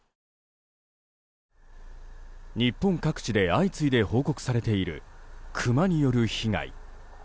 日本各地で相次いで報告されているクマによる被害。